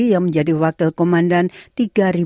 yang menjadi wakil komandan tiga ribu